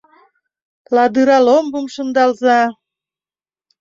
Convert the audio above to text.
Ладыра ломбым шындалза.